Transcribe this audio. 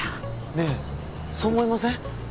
ねえそう思いません？